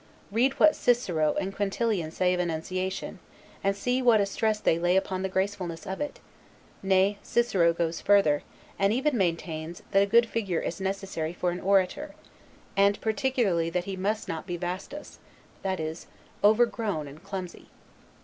Read what Cicero and Quintilian say of enunciation, and see what a stress they lay upon the gracefulness of it; nay, Cicero goes further, and even maintains, that a good figure is necessary for an orator; and particularly that he must not be vastus, that is, overgrown and clumsy.